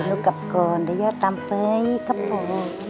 ลูกกลับก่อนเดี๋ยวย่าตามไปกับหมอ